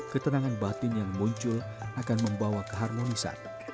ketenangan batin yang muncul akan membawa keharmonisan